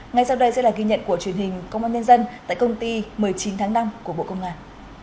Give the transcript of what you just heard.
ngay sau đây sẽ là ghi nhận của truyền hình công an nhân dân tại công ty một mươi chín tháng năm của bộ công an